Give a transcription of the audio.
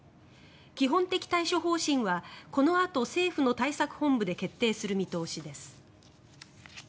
基本的対処方針はこのあと政府の対策本部で決定する見通しです。